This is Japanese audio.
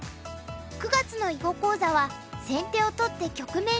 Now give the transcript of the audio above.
９月の囲碁講座は「先手を取って局面リード！」。